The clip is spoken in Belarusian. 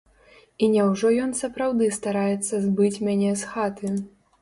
І няўжо ён сапраўды стараецца збыць мяне з хаты!